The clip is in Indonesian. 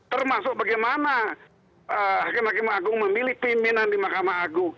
termasuk bagaimana hakim hakim agung memilih pimpinan di mahkamah agung